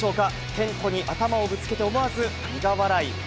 テントに頭をぶつけて、思わず苦笑い。